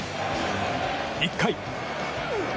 １回。